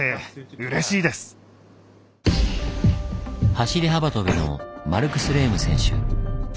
走り幅跳びのマルクス・レーム選手。